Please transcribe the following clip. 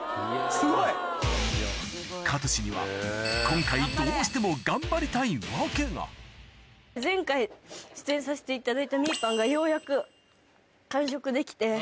かとしには今回どうしても前回出演させていただいたみーぱんがようやく完食できて。